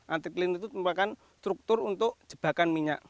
antiklin itu merupakan struktur untuk jebakan minyak